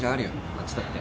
あっちだって。